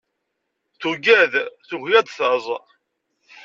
Tuggad tugi ad taẓ.